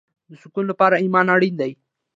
د سکون لپاره ایمان اړین دی